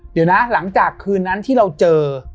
เดี๋ยวนะหลังจากคืนนั้นที่เราเจอ